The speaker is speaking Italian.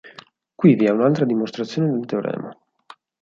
Qui vi è un'altra dimostrazione del teorema.